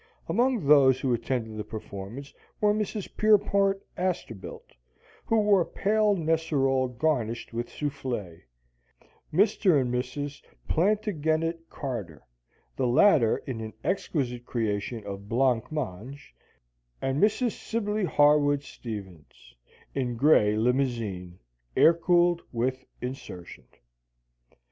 Among those who attended the performance were Mrs. Pierpont Astorbilt, who wore pale nesserole garnished with soufflée; Mr. and Mrs. Plantagenet Carter, the latter in an exquisite creation of blanc mange; and Mrs. Sibley Harwood Stevens, in gray limousine, air cooled with insertion.